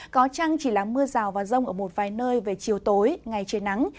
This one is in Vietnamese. có chăng chỉ là mưa rào và rông ở một vài nơi về chiều tối ngày trời nắng